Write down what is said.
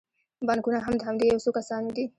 بانکونه هم د همدې یو څو کسانو دي